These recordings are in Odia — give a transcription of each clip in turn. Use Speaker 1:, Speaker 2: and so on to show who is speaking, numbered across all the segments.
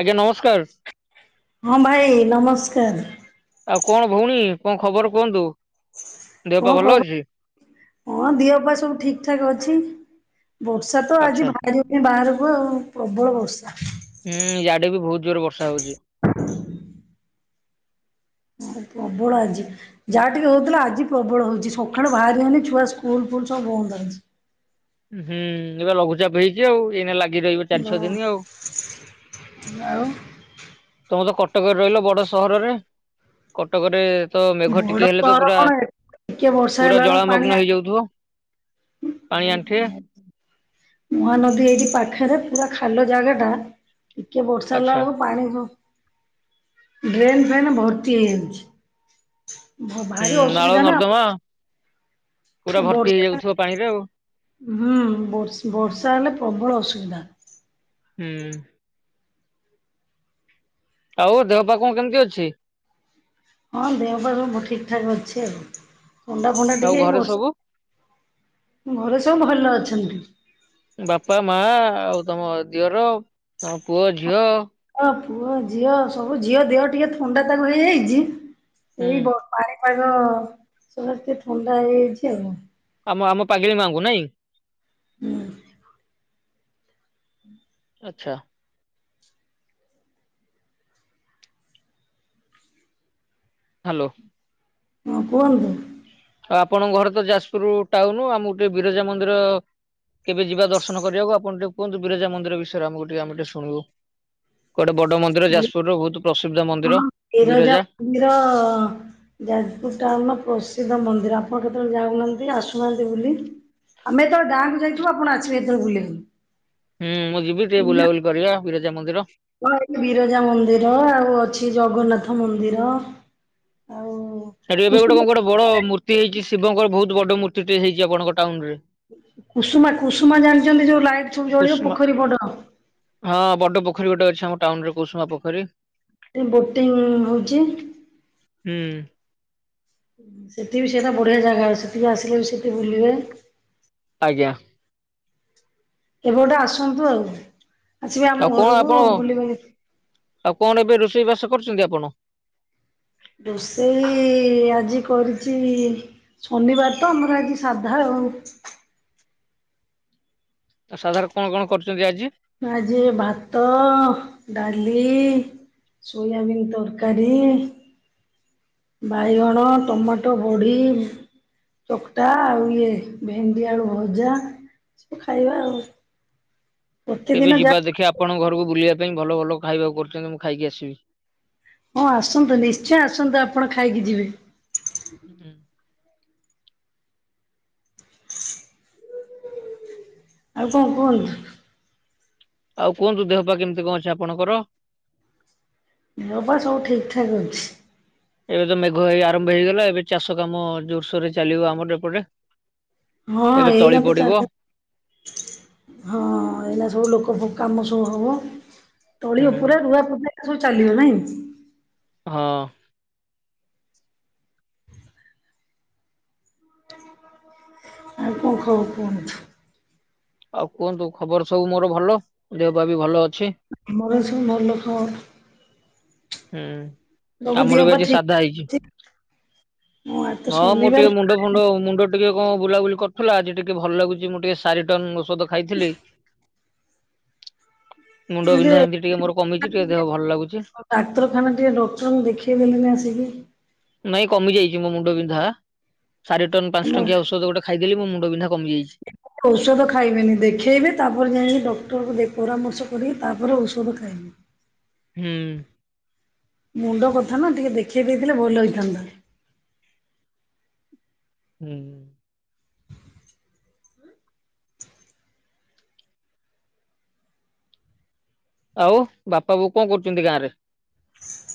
Speaker 1: ଆଜ୍ଞା ନମସ୍କାର।
Speaker 2: ହଁ ଭାଇ ନମସ୍କାର।
Speaker 1: ଆଉ କଣ ଭଉଣୀ କଣ ଖବର କୁହନ୍ତୁ? ଦେହ ପା
Speaker 2: କଣ
Speaker 1: ଭଲ
Speaker 2: କ
Speaker 1: ଅଛି?
Speaker 2: ହଁ ଦିହ ପା ସବୁ ଠିକ୍ ଠାକ୍ ଅଛି। ବର୍ଷା ତ
Speaker 1: ଆଚ୍ଛା
Speaker 2: ଆଜି ବାହାରି ହଉନି ବାହାରକୁ ଆଉ ପ୍ରବଳ ବର୍ଷା।
Speaker 1: ହୁଁ ୟଆଡେ ବି ବହୁତ ଜୋରେ ବର୍ଷା ହଉଛି।
Speaker 2: ମଁ ପ୍ରବଳ ଆଜିି ଯାହା ଟିକେ ହଉଥିଲା ଆଜି ପ୍ରବଳ ହଉଛି ସକାଳୁ ବାହାରି ହଉନି ଛୁଆ ସ୍କୁଲ ଫୁଲ ସବ ବନ୍ଦ ଅଛି।
Speaker 1: ହୁଁ ଏବେ ଲଘୁଚାପ ହେଇଛି ଆଉ। ଏଇନେ ଲାଗ
Speaker 2: ହଁ ଆଉ
Speaker 1: ତମେ ତ କଟକରେ ରହିଲ ବଡ ସହରରେ। କଟକରେ ତ ମେଘ
Speaker 2: ବଡ
Speaker 1: ଟିକେ ହେଲେ ତ
Speaker 2: ସହର
Speaker 1: ପୁରା
Speaker 2: କଣ ଟିକେ ବର୍ଷା
Speaker 1: ପୁରା
Speaker 2: ହେଲାଣି ପାଣି
Speaker 1: ଜଳାମଗ୍ନ
Speaker 2: ଆ
Speaker 1: ହେଇଯାଉଥିବ ପାଣି ଆଣ୍ଠିଏ
Speaker 2: ମହାନଦୀ ଏଇଠି ପାଖରେ ପୁରା ଖାଲ ଜାଗା ଟା ଟିକେ ବର୍ଷା ହେଲା
Speaker 1: ଆଚ୍ଛା
Speaker 2: ବେଳ ପାଣି ଡ୍ରେନ୍ ଫେନ୍ ଭର୍ତି ହେଇଯାଇଛି।
Speaker 1: ହୁଁ ନାଳ
Speaker 2: ନା।
Speaker 1: ଅର୍ଦ୍ଦମା।
Speaker 2: ବର୍ଷା
Speaker 1: ପାଣିରେ ଆଉ
Speaker 2: ହୁଁ ବର୍ଷା ହେଲେ ପ୍ରବଳ ଅସୁବିଧା।
Speaker 1: ହୁଁ। ଆଉ ଦେହ ପାଖ କେମିତି ଅଛି?
Speaker 2: ହଁ ଦେହ ପା ସବୁ ଠିକ୍ ଠାକ ଅଛି ଆଉ। ଣ୍ଡା ଫଣ୍ଡା
Speaker 1: ଆଉ
Speaker 2: ଟିକେ
Speaker 1: ଘରେ
Speaker 2: ବର୍ଷା
Speaker 1: ସବୁ
Speaker 2: ଘରେ ସବୁ ଭଲ ଅଛନ୍ତି।
Speaker 1: ବାପା ମା ଆଉ ତମ ଦିଅର ତମ ପୁଅ ଝିଅ
Speaker 2: ହଁ ପୁଅ ଝିଅ ସବୁ ଝିଅ ଦେହ ଟିକେ ଥଣ୍ଡା ତାକୁ ହେଇଯାଇଛି।
Speaker 1: ହୁଁ
Speaker 2: ସେଇ ବ ପାଣି ପାାଗ ସମସ୍ତେ ଥଣ୍ଡା ହେଇଯାଇଛି ଆଉ।
Speaker 1: ଆମ ଆମ ପାଗିଲୀ ମାଙ୍କୁ ନାଇଁ।
Speaker 2: ହୁଁ।
Speaker 1: ଆଚ୍ଛା। ହ୍ୟାଲୋ।
Speaker 2: ହଁ କୁହନ୍ତୁ।
Speaker 1: ଆଉ ଆପଣଙ୍କ ଘର ତ ଯାଜପୁର ଟାଉନ ଆମ ଗୋଟେ ବିରଜା ମନ୍ଦିର କେବେ ଯିବା ଦର୍ଶନ କରିବାକୁ ଆଣ ଟିକେ କୁହନ୍ତୁ ବିରଜା ମନ୍ଦିର ବିଷୟରେ ଆମକୁ ଆମେ ଟିକେ ଶୁନିବୁ। ଗୋଟେ ବଡ ମନ୍ଦିର
Speaker 2: ବି
Speaker 1: ଯାଜପୁର ର ବହୁତ ପ୍ରସିଦ୍ଧ ମନ୍ଦିର ବିରଜା।
Speaker 2: ବୀର ଯାଜପୁର ଟାଉନର ପ୍ରସିଦ୍ଧ ମନ୍ଦିର ଆପଣ କେତେବେଳେ ଯାଉନାହାନ୍ତି ଆସୁନାହାନ୍ତି ବୋଲି। ଆମେ ଯେତେବେଳେ ଗାଁ କୁ ଯାଇଥିବୁ ଆପଣ ଆଶିବେ ହେତେ ବେଳକୁ ବୁଲିବାକୁ।
Speaker 1: ହୁଁ ମୁଁ ଯିବି ଟିକେ ବୁଲାବୁଲି କରିବା ବିରଜା ମନ୍ଦିର।
Speaker 2: ହଁ ଏଠି ବିରଜା ମନ୍ଦିର ଆଉ ଅଛି ଜଗନ୍ନାଥ ମନ୍ଦିର। ଆଉ
Speaker 1: ସାର୍ ଏବେ ଗୋଟେ
Speaker 2: କୁସୁମ
Speaker 1: କଣ ଗୋଟେ ବଡ ମୂର୍ତ୍ତି ହେଇଛି ଶିବଙ୍କର ବହୁତ ବଡ ମୂର୍ତ୍ତି ଟେ ହେଇଛି ଆପଣଙ୍କ ଟାଉନ ରେ।
Speaker 2: କୁସୁମା କୁସୁମା ଜାଣିଛନ୍ତି ଯୋଉ ଲାଇଟ୍ ସବୁ ଜଳିବ
Speaker 1: କୁସୁମା
Speaker 2: ପୋଖରୀ ବଡ
Speaker 1: ହଁ ବଡ ପୋଖରୀ ଗୋଟେ ଅଛି ଆମ ଟାଉନ ରେ କୁସୁମା ପୋଖରୀ।
Speaker 2: ଏ ବୋଟିଂ ହଉଛି।
Speaker 1: ହୁଁ।
Speaker 2: ସେଠି ବି ସେଇଟା ବଢିଆ ଜାଗା ଅ ସେଠିକି ଆସିଲେ ବି ସେଠି ବୁଲିବେ।
Speaker 1: ଆଜ୍ଞା।
Speaker 2: କେବେ ଗୋଟେ ଆସନ୍ତୁ ଆଉ। ଆସିବେ ଆମ
Speaker 1: ଆଉ କଣ
Speaker 2: ଘରକୁ
Speaker 1: ଆପଣ
Speaker 2: ବୁଲିବେ
Speaker 1: ଆଉ କଣ ଏବେ ରୋଷେଇ ବାସ କରୁଛନ୍ତି ଆପଣ?
Speaker 2: ରୋଷେଇ ଆଜି କରିଚି। ଶନିବାର ତ ଆମର ଆଜି ସାଧା ଆଉ।
Speaker 1: ସାଧାରେ କଣ କଣ କରିଚନ୍ତି ଆଜି?
Speaker 2: ଆଜି ଭାତ ଡାଲି। ସୋୟାବୀନ୍ ତରକାରୀ। ବାଇଗଣ ଟମାଟୋ ବଡ଼ି। ଚକଟା ଆଉ ଇଏ ଭେଣ୍ଡି ଆଳୁ ଭଜା ସବୁ ଖାଇବା ଆଉ। ପ୍ରତିଦିନ
Speaker 1: କେବେ
Speaker 2: ଯା
Speaker 1: ଯିବା ଦେଖିବା ଆପଣଙ୍କ ଘରକୁ ବୁଲିବା ପାଇଁ ଭଲ ଭଲ ଖାଇବାକୁ କରୁଛନ୍ତି ମୁଁ ଖାଇକି ଆସିବି।
Speaker 2: ହଁ ଆସନ୍ତୁ ନିଶ୍ଚୟ ଆସନ୍ତୁ ଆପଣ ଖାଇକି ଯିବେ।
Speaker 1: ହୁଁ।
Speaker 2: ଆଉ କଣ କୁହନ୍ତୁ।
Speaker 1: ଆଉ କୁହନ୍ତୁ ଦେହ ପା କେମିତି କଣ ଅଛି ଆପଣଙ୍କର।
Speaker 2: ଦେହପା ସବୁ ଠିକ ଠାକ ଅଛି।
Speaker 1: ଏବେ ତ ମେଘ ଏଇ ଆରମ୍ଭ ହେଇଗଲା ଏବେ ଚାଷ କାମ ଜୋରସୋର ରେ ଚାଲିବ ଆମର ଏପଟେ।
Speaker 2: ହଁ
Speaker 1: ଏବେ ତଳି
Speaker 2: ଏଇନା ତ
Speaker 1: ପଡିବ।
Speaker 2: ଚା ହଁ ଏଇନା ସବୁ ଲୋକ କାମ ସବୁ ହେବ। ତଳି
Speaker 1: ହୁଁ।
Speaker 2: ଉପରେ ରୁଆ ପୂଜା ସବୁ ଚାଲିବ ନାଇଁ।
Speaker 1: ହଁ।
Speaker 2: ହ ଆଉ କଣ ଖବର କୁହନ୍ତୁ।
Speaker 1: ଆଉ କୁହନ୍ତୁ ଖବର ସବୁ ମୋର ଭଲ, ଦେହ ପା ବି ଭଲ ଅଛି।
Speaker 2: ଆମର ସବୁ ଭଲ ଖବର।
Speaker 1: ହୁଁ
Speaker 2: ସବୁ
Speaker 1: ଆମର
Speaker 2: ଦେହ
Speaker 1: ବି
Speaker 2: ପା
Speaker 1: ଆଜି
Speaker 2: ଠିକ୍
Speaker 1: ସାଧା ହେଇଛି,
Speaker 2: ଅଛି ଆଜି ତ
Speaker 1: ହଁ ମୁଁ
Speaker 2: ଶନିବାର
Speaker 1: ଟିକେ ମୁଣ୍ଡ ମୋର ମୁଣ୍ଡ ଟିକେ କଣ ବୁଲାବୁଲି କରୁଥିଲା, ଆଜି ଟିକେ ଭଲ ଲାଗୁଚି ମୁଁ ଟିକେ ସାରିଟନ ଔଷଧ ଖାଇଥିଲି। ମୁଣ୍ଡ
Speaker 2: ଯେ
Speaker 1: ବିନ୍ଧା ବିନ୍ଧି ଟିକେ ମୋର କମିଚି ଟିକେ ଦେହ ଭଲ ଲାଗୁଛି।
Speaker 2: ଆଉ ଡାକ୍ତରଖାନା ଟିକେ ଡକ୍ଟରଙ୍କୁ ଦେଖେଇ ଦେଲେନି ଆସିକି।
Speaker 1: ନାଇଁ କମି ଯାଇଛି ମୋ ମୁଣ୍ଡ ବିନ୍ଧା, ସାରିଟନ
Speaker 2: ଆମ
Speaker 1: ପାଞ୍ଚ ଟଙ୍କିଆ ଔଷଧ ଗୋଟେ ଖାଇଦେଲି ମ ମୁଣ୍ଡ ବିନ୍ଧା କମିଯାଇଚି।
Speaker 2: ଔଷଧ ଖାଇବେନି, ଦେଖେଇବେ ତାପରେ ଯାଇକି ଡକ୍ଟରଙ୍କୁ ପରାମର୍ଶ କରିକି ତାପରେ ଔଷଧ ଖାଇବେ।
Speaker 1: ହୁଁ।
Speaker 2: ମୁଣ୍ଡ କଥା ନା ଟିକେ ଦେଖେଇ ଦେଇଥିଲେ ଭଲ ହେଇଥାନ୍ତା।
Speaker 1: ହୁଁ। ଆଉ ବାପା ବୋଉ କଣ କରୁଛନ୍ତି ଗାଁ ରେ?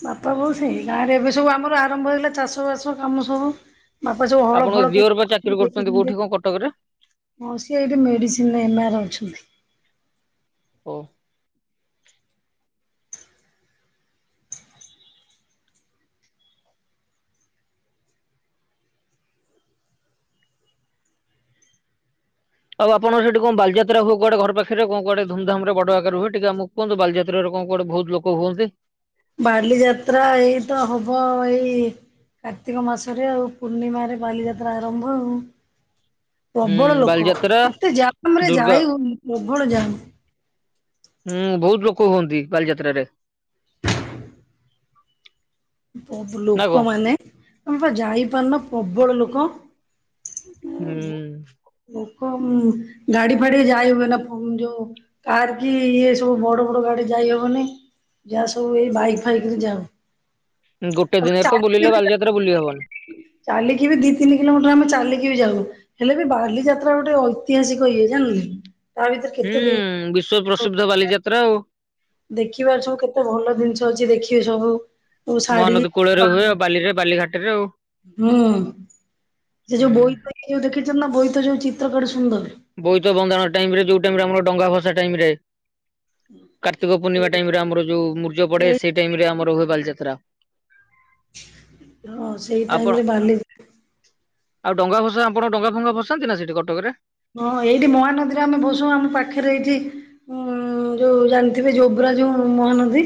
Speaker 2: ବାପା ବୋଉ ସେଇ ଗାଁ ରେ ଏବେ ସବୁ ଆମର ଆରମ୍ଭ ହେଇଗଲା ଚାଷ ବାସ କାମ ସବୁ। ବାପା ସବୁ ହଳ
Speaker 1: ଆପଣଙ୍କ
Speaker 2: ଫଳ କେ
Speaker 1: ଦିଅର ବା ଚାକିରି କରୁଛନ୍ତି କୋଉଠି
Speaker 2: ଦେଖୁଚନ୍ତି।
Speaker 1: କଣ କଟକରେ?
Speaker 2: ମାଉସି ଏଇଠି ମେଡ଼ିସିନ୍ ରେ ଏମ ଆର୍ ଅଛନ୍ତି।
Speaker 1: ଓ। ଆଉ ଆପଣ ସେଠି କଣ ବାଲିଯାତ୍ରା ହୁଏ କୁଆଡ଼େ ଘର ପାଖରେ କଣ କୁଆଡେ ଧୁମ୍ ଧୁମ୍ ଧାମ ରେ ବଡ଼ଆକାରେ ହୁଏ, ଟିକେ ଆମକୁ କୁହନ୍ତୁ ବାଲିଯାତ୍ରାରେ କଣ କୁଆଡେ ବହୁତ ଲୋକ ହୁଅନ୍ତି।
Speaker 2: ବାଡଲି ଯାତ୍ରା ଏଇ ତ ହବ ଏଇ କାର୍ତ୍ତିକ ମାସରେ ଆଉ ପୂର୍ଣ୍ଣିମାରେ ବାଲିଯାତ୍ରା ଆରମ୍ଭ ଆଉ।
Speaker 1: ହୁଁ
Speaker 2: ପ୍ରବଳ ଲୋକ
Speaker 1: ବାଲିଯାତ୍ରା
Speaker 2: ଏତେ ଜାମ ରେ
Speaker 1: ଦୁର୍ଗା
Speaker 2: ଯାାଇ ହୁଉନି ପ୍ରବଳ ଜାମ।
Speaker 1: ହୁଁ ବହୁତ ଲୋକ ହୁଅନ୍ତି ବାଲିଯାତ୍ରାରେ। ନା କଣ?
Speaker 2: ଲୋକମାନେ ଆମେ ଯାଇପାରୁନା ପ୍ରବଳ ଲୋକ।
Speaker 1: ହୁଁ।
Speaker 2: ଲୋକ ଗାଡି ଫାଡି ଯାାଇ ହୁଏ ନା ଫ ଯଉ କାର କି ଇଏ ସବୁ ବଡ ବଡ ଗାଡି ଯାଇ ହବନି। ଯାହା ସବୁ ଏଇ ବାଇକ୍ ଫାଇକ ରେ ଯାଉ।
Speaker 1: ଗୋଟେ ଦିନରେ ତ
Speaker 2: ଚାଲିକି
Speaker 1: ବୁଲିଲେ
Speaker 2: ବି
Speaker 1: ବାଲିଯାତ୍ରା ବୁଲି ହବନି।
Speaker 2: ଚାଲିକି ବି ଦି ତିନି କିଲୋମିଟର ଆମେ ଚାଲିକି ବି ଯାଉ, ହେଲେ ବି ବା ବାଲିଯାତ୍ରା ଗୋଟେ ଐତିହାସିକ ଇଏ, ଜାଣିଲେ? ତା ଭିତରେ
Speaker 1: ହୁଁ
Speaker 2: କେତେ ଦି
Speaker 1: ବିଶ୍ଵ ପ୍ରସିଦ୍ଧ ବାଲିଯାତ୍ରା ଆଉ।
Speaker 2: ଦେଖିବାର ସବୁ କେତେ ଭଲ ଜିନିଷ ଅଛି ଦେଖିବେ ସବୁ। ତ ସାଡି
Speaker 1: ମହାନଦୀ କୂଳରେ ହୁଏ ଆଉ ବାଲିରେ ବାଲିଘାଟରେ ଆଉ।
Speaker 2: ହୁଁ। ସେ ଯୋଉ
Speaker 1: ହୁଁ
Speaker 2: ବୋଇତ ଯୋଉ ଦେଖିଛନ୍ତି ନା ବୋଇତ ଯୋଉ ଚିତ୍ର କଡେ ସୁନ୍ଦର।
Speaker 1: ବୋଇତ ବନ୍ଦାଣ ଟାଇମ୍ ରେ ଯୋଉ ଟାଇମ୍ ରେ ଆମର ଡଙ୍ଗା ଭସା ଟାଇମ୍ ରେ। କାର୍ତ୍ତିକ ପୂର୍ଣ୍ଣିମା ଟାଇମ୍ ରେ ଆମର ଯୋଉ ମୂରୂଜ ପଡେ
Speaker 2: ଏଇ
Speaker 1: ସେଇ ଟାଇମ୍ ରେ ଆମର ହୁଏ ବାଲିଯାତ୍ରା।
Speaker 2: ହଁ ସେଇ
Speaker 1: ଆପଣ
Speaker 2: ଟାଇମ୍ ରେ ବାଲି
Speaker 1: ଆଉ ଡଙ୍ଗା ଭସା ଆପଣ ଡଙ୍ଗା ଫଙ୍ଗା ଭସାନ୍ତି ନା ସେଠି କଟକରେ?
Speaker 2: ହଁ ଏଇଠି ମହାନଦୀରେ ଆମେ ଭସଉ ଆମ ପାଖରେ ଏଇଠି ଉଁ ଯୋଉ ଜାଣିଥିବେ ଯୋବ୍ରା ଯୋଉ ମହାନଦୀ।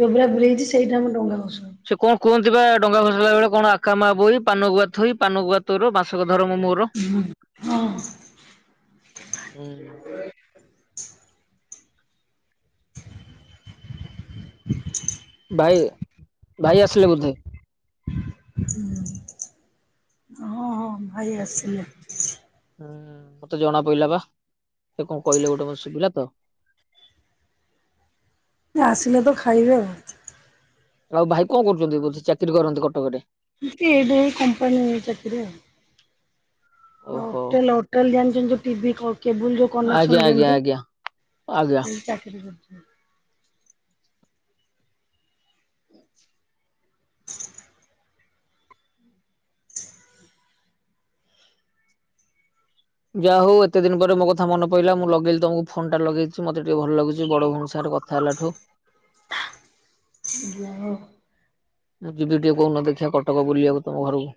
Speaker 2: ଯୋବ୍ରା ବ୍ରିଜ୍ ସେଇଠି ଆମେ ଡଙ୍ଗା ଭସଉ।
Speaker 1: ସେ କଣ କୁହନ୍ତି ବା ଡଙ୍ଗା ଭସେଇଲା ବେଳେ କଣ ଆକା ମା ବଇ ପାନ ଗୁଆ ଥୋଇ ପାନ ଗୁଆ ତୋର ମାସ ମାସକ ଧରମ ମୋର।
Speaker 2: ହଁ
Speaker 1: ହୁଁ। ଭାଇ, ଭାଇ ଆସିଲେ ବୋଧେ?
Speaker 2: ହୁଁ ହଁ ଭାଇ ଆସିଲେ।
Speaker 1: ହୁଁ ମତେ ଜଣା ପଇଲା ବା। ସେ କଣ କହିଲେ ଗୋଟେ ମତେ ଶୁଭିଲା ତ।
Speaker 2: ସେ ଆସିଲେ ତ ଖାଇବେ ଆଉ।
Speaker 1: ଆଉ ଭାଇ କଣ କରୁଚନ୍ତି? ବୋଧେ ଚାକିରି କରନ୍ତି କଟକରେ।
Speaker 2: ଏଇଠି ଏଇ କମ୍ପାନୀ ଚାକିରୀ ଆଉ।
Speaker 1: ଓହୋ
Speaker 2: ହୋଟେଲ୍ ହୋଟେଲ୍ ଜାଣିଛନ୍ତି ଯୋଉ ଟିଭି କ କେବୁଲ ଯୋଉ
Speaker 1: ଆଜ୍ଞା
Speaker 2: କନେକ୍ସନ
Speaker 1: ଆଜ୍ଞା
Speaker 2: ଦିଅନ୍ତି।
Speaker 1: ଆଜ୍ଞା ଆଜ୍ଞା।
Speaker 2: ସେଇଠି ଚାକିରି କରି
Speaker 1: ଯାହା ହଉ ଏତେ ଦିନି ପରେ ମୋ କଥା ମନ ପଇଲା ମୁଁ ଲଗେଇଲି ତମକୁ ଫୋନ୍ ଟା ଲଗେଇଚି ମତେ ଟିକେ ଭଲ ଲାଗୁଚି ବଡ ଭଉଣୀ ସାଙ୍ଗ ରେ କ କଥା ହେଲା ଠୁ।
Speaker 2: ଯାହା ହଉ।
Speaker 1: ନା ଯିବି ଟିକେ କୋଉ ଦିନ ଦେଖିଆ କଟକ ବୁଲିବାକୁ ତମ ଘରକୁ।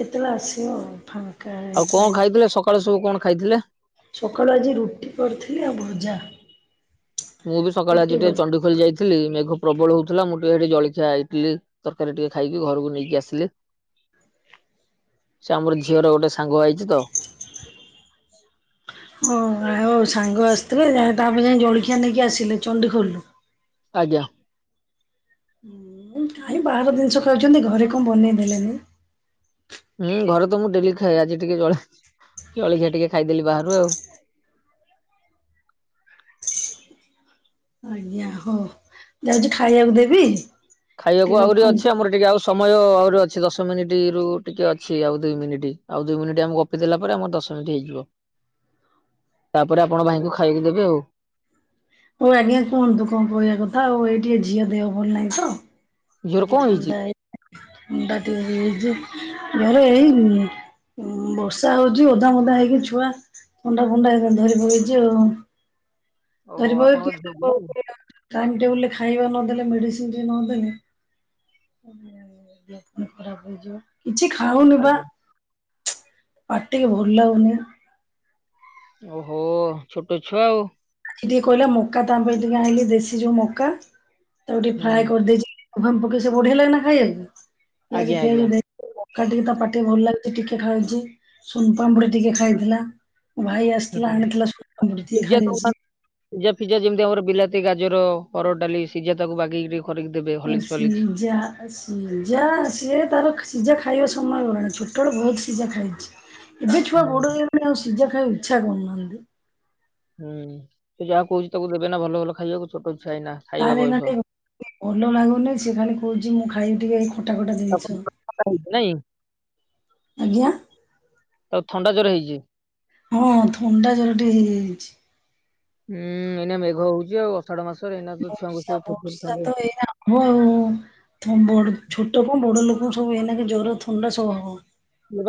Speaker 2: କେତେବେଳେ ଆସିବ ଆଉ ଫାଙ୍କା ହେଇ ପାଇଲେ।
Speaker 1: ସକାଳୁ ସବୁ କଣ ଖାଇଥିଲେ?
Speaker 2: ସକାଳୁ ଆଜି ରୁଟି କରିଥିଲି ଆଉ ଭଜା।
Speaker 1: ମୁଁ ବି ସକାଳୁ ଆଜି
Speaker 2: ରୁଟି
Speaker 1: ଟିକେ
Speaker 2: ଭଜା।
Speaker 1: ଚଣ୍ଡିଖୋଲ ଯାଇ ଥିଲି। ମେଘ ପ୍ରବଳ ହଉଥିଲା। ମୁଁ ଟିକେ ହେଠି ଜଳଖିଆ ଇଟିଲି ତରକାରୀ ଟିକେ ଖାଇକି ଘରକୁ ନେଇକି ଆସିଲି।
Speaker 2: ହଁ
Speaker 1: ସେ ଆମର ଝିଅ ର ଗୋଟେ ସାଙ୍ଗ ଆଇଚି ତ।
Speaker 2: ହଁ ଆଉ ସାଙ୍ଗ ଆସିଥିବେ ତାପାଇଁ ଯାଇ ଜଳଖିଆ ନେଇକି ଆସିଲେ ଚଣ୍ଡିଖୋଲ ରୁ।
Speaker 1: ଆଜ୍ଞା।
Speaker 2: [unintelligible] କାଇଁ ବାହାର ଜିନିଷ ଖାଉଛନ୍ତି ଘରେ କଣ ବନେଇ ଦେଲେନି।
Speaker 1: ହୁଁ ଘରେ ତ ମୁଁ ଡେଲି ଖାଏ। ଆଜି ଟିକେ ଜ ଜଳିଖିଆ ଟିକେ ଖାଇଦେଲି ବାହାରୁ ଆଉ।
Speaker 2: ଆଜ୍ଞା ହଉ। ଯାଉଚି ଖାଇବାକୁ ଦେବି। ଟିକେ
Speaker 1: ଖାଇବାକୁ ଆହୁରି
Speaker 2: ରଖନ୍ତୁ।
Speaker 1: ଅଛି, ଆମର ଟିକେ ଆଉ ସମୟ ଆହୁରି ଅଛି ଦଶ ମିନିଟି ରୁ ଟିକେ ଅଛି ଆଉ ଦୁଇ ମିନିଟି। ଆଉ ଦୁଇ ମିନିଟି ଆମେ ଗ ଗପି ଦେଲା ପରେ ଆମର ଦଶ ମିନିଟ୍ ହେଇଯିବ।
Speaker 2: ହ
Speaker 1: ତାପରେ ଆପଣ ଭାଇଙ୍କୁ ଖାଇବାକୁ ଦେବେ ଆଉ।
Speaker 2: ହଉ ଆଜ୍ଞା କୁହନ୍ତୁ କଣ କହିବା କଥା ଆଉ ଏଇଠି ଝିଅ ଦେହ ଭଲ ନାହିଁ ତ।
Speaker 1: ଝିଅର
Speaker 2: ତାକୁ
Speaker 1: କଣ ହେଇଛି?
Speaker 2: ଥଣ୍ଡା ହେଇ ଥଣ୍ଡା ଟିକେ ହେଇଯାଇଚି। ଘରେ ଏଇ ଉଁ ବର୍ଷା ହଉଚି ଓଦା ମଦା ହେଇକି ଛୁଆ ଥଣ୍ଡା ଫଣ୍ଡା ହେରା ଧରି ପକେଇଚି ଆଉ।
Speaker 1: ଓହୋ
Speaker 2: ଧରି
Speaker 1: ଆପଣଙ୍କ
Speaker 2: ପକେଇଚି
Speaker 1: ଝିଅ
Speaker 2: [unintelligible] ଟାଇମ୍ ଟେବୁଲ୍ ରେ ଖାଇବା ନଦେଲେ ମେଡିସିନ୍ ଟିକେ ନଦେଲେ ଦେହ ପୁଣି ଖରାପ୍ ହେଇଯିବ। କିଛି ଖାଉନି ପା।
Speaker 1: ଆଜ୍ଞା
Speaker 2: ପାଟିକି ଭଲ ଲାଗୁନି ବା।
Speaker 1: ଓହୋ ଛୋଟ ଛୁଆ ଆଉ।
Speaker 2: ସେ ଟିକେ କହିଲା ମକା ତା ପାଇଁ ଟିକେ ଆଇଁଲି ଦେଶୀ ଯୋଉ ମକା ତାକୁ ଟିକେ ଫ୍ରାଏ
Speaker 1: ହୁଁ
Speaker 2: କରିଦେଇଚି। [unintelligible] ପକେଇ ସେ ବଢ଼ିଆ ଲଗେ ନା ଖାଇବାକୁ। ପିଆଜ
Speaker 1: ଆଜ୍ଞା ଆଜ୍ଞା।
Speaker 2: ଫିଆଜ ଦେଇ ପଖାଳ ଟିକେ ତା ପାଟିକୁ ଭଲ ଲାଗୁଛି ଟିକେ ଖଛିଉଛି। ସୁନ୍ ପାମ୍ପୁଡ଼ି ଟିକେ ଖାଇଥିଲା ମୋ ଭାଇ ଆସିଥିଲା ଆଣିଥିଲା ସୁନ୍ ପାମ୍ପୁଡ଼ି ଟିକେ
Speaker 1: ପିଜା
Speaker 2: ଖାଇଛି।
Speaker 1: ପିଜା ଫିଜା ଯେମିତି ଆମର ବିଲାତି, ଗାଜର, ହରଡ଼-ଡାଲି, ସିଝା ତାକୁ ବାଗେଇକି। କରିକି ଦେବେ
Speaker 2: ଅ
Speaker 1: ହଲିକ୍ସ ଫଲିକ୍ସ
Speaker 2: ସିଜା ସିଝା ସିଏ ତାର ସିଝା ଖାଇବା ସମୟ ଗଲାଣି ଛୋଟବେଳୁ ବହୁତ ସିଝା ଖାଇଛି। ଏବେ ଛୁଆ ବଡ଼ ହେଇଗଲେଣି ଆଉ ସିଝା ଖାଇବାକୁ ଇଚ୍ଛା କରୁନାହାନ୍ତି।
Speaker 1: ହୁଁ ସେ ଯାହା କହୁଛି ତାକୁ ଦେବେନା ଭଲ ଭଲ ଖାଇବାକୁ ଛୋଟ ଛୁଆ ଏଇନା। ଖାଇବା
Speaker 2: ତାର
Speaker 1: ବୟସ।
Speaker 2: ଏଇନା ଭଲ ଲାଗୁନି ସେ ଖାଲି କହୁଛି ମୁଁ ଖାଇବି ଟିକେ ଏ ଖଟା ଖଟା ଜିନିଷ।
Speaker 1: ଖଟା ଖାଇବି ନାଇଁ?
Speaker 2: ଆଜ୍ଞା।
Speaker 1: ତାକୁ ଥଣ୍ଡା ଜର ହେଇଛି?
Speaker 2: ହଁ ଥଣ୍ଡା ଜର ଟିକେ ହେଇଯାଇଛି।
Speaker 1: ହୁଁ ଏଇନା ମେଘ ହଉଛି ଆଉ ଅଷାଢ ମାସ।
Speaker 2: ବର୍ଷା ବର୍ଷାତ ଏଇନା ହବ ଆଉ ବ ଛୋଟ କଣ ବଡ ଲୋକ ସବୁ ଏନାକ ଜର ଥଣ୍ଡା ସବୁ ହବ।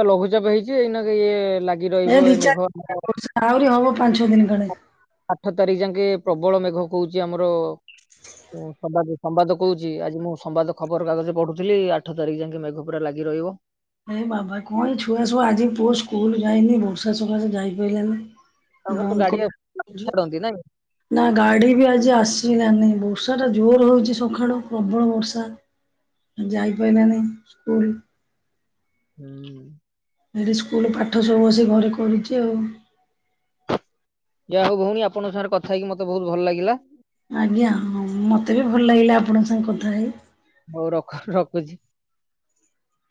Speaker 1: ଲଘୁଚାପ ହେଇଛି ଏଇନାକେ ଇଏ ଲାଗି ରହିବ
Speaker 2: ଏ ଦି
Speaker 1: ମେଘ
Speaker 2: ଚାରି ଦିଆହୁରି ହବ ପାଞ୍ଚ ଛଅ ଦିନି ଖଣ୍ଡେ।
Speaker 1: ଆଠ ତାରିଖ ଯାଙ୍କେ ପ୍ରବଳ ମେଘ କହୁଛି ଆମର ଓ ସମ୍ବାଦ ସମ୍ବାଦ କହୁଛି ଆଜି ମୁଁ ସମ୍ବାଦ ଖବରକାଗଜରେ ପଢୁଥିଲି ଆଠ ତାରିଖ ଜାଙ୍କେ ମେଘ ପୁରା ଲାଗି ରହିବ।
Speaker 2: ଏ ବାବା କଣ ଏଇ ଛୁଆ ସବୁ ଆଜି ପୁଅ ସ୍କୁଲ ଯାଇନି ବର୍ଷା ସକାସେ ଯାଇ ପାଇଲାନେଇ।
Speaker 1: ତାଙ୍କର ତ
Speaker 2: ଆଉ
Speaker 1: ଗାଡି
Speaker 2: କ
Speaker 1: ଆସି ଛାଡନ୍ତି ନାଇଁ
Speaker 2: ନା ଗାଡି ବି ଆଜି ଆସିଲାନି ବର୍ଷା ଟା ଜୋର ହଉଚଛି ସକାଳୁ ପ୍ରବଳ ବର୍ଷା। ଯାଇପାଇଲାନି ସ୍କୁଲ।
Speaker 1: ହୁଁ।
Speaker 2: ହେଲେ ସ୍କୁଲ ପାଠ ସବୁ ଆସି ଘରେ କରୁଛି ଆଉ।
Speaker 1: ଯା ହେଉ ଭଉଣୀ ଆପଙ୍କ ସାଙ୍ଗରେ କଥା ହେଇକି ମତେ ବହୁତ୍ ଭଲ ଲାଗିଲା।
Speaker 2: ଆଜ୍ଞା ହଁ ମୋତେ ବି ଭଲ ଲାଗିଲା ଆପଣଙ୍କ ସାଙ୍ଗେ କଥା ହେଇ।
Speaker 1: ହଉ ରଖ୍ ରଖୁଛି।